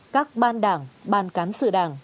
các ban đảng ban cán sự đảng